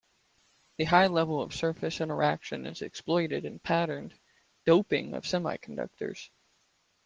The high level of surface interaction is exploited in patterned doping of semiconductors.